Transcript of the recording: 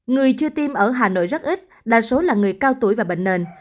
người chưa tiêm ở hà nội rất ít đa số là người cao tuổi và bệnh nền